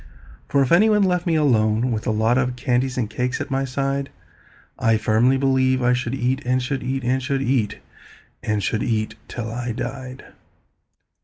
For if any one left me alone with a lot Of candies and cakes at my side, I firmly believe I should eat, and should eat, And should eat, and should eat, till I died.